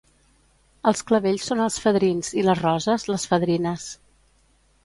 Els clavells són els fadrins i les roses, les fadrines.